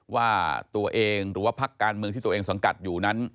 ว่าตัวเองหรือว่าพักการเมืองที่ตัวเองสังกัดอยู่นั้น